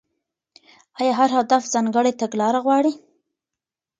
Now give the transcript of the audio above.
ايا هر هدف ځانګړې تګلاره غواړي؟